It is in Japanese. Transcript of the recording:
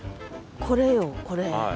これよこれ。